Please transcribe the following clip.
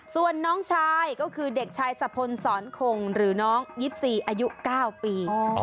ส่วนน้องชายก็คือเด็กชายสะพลสอนคงหรือน้อง๒๔อายุ๙ปี